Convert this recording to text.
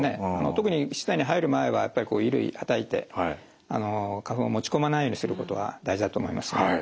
特に室内に入る前は衣類はたいて花粉を持ち込まないようにすることが大事だと思います。